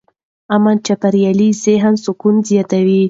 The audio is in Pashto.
امن چاپېریال ذهني سکون زیاتوي.